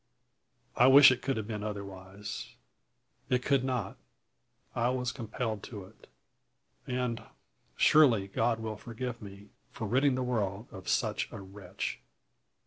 I wish it could have been otherwise. It could not I was compelled to it. And surely God will forgive me, for ridding the world of such a wretch?"